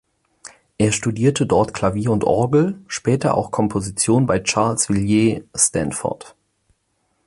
Er studierte dort Klavier und Orgel, später auch Komposition bei Charles Villiers Stanford.